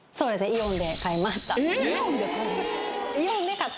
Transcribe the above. イオンで買いました！？